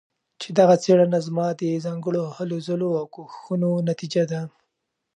چې دغه څيړنه زما د ځانګړو هلو ځلو او کوښښونو نتيجه ده